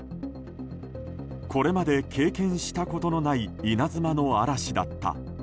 これまで経験したことのない稲妻の嵐だった。